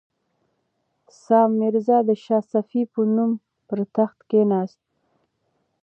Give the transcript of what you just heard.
سام میرزا د شاه صفي په نوم پر تخت کښېناست.